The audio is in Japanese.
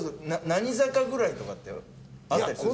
何坂ぐらいとかってあったりするんですか？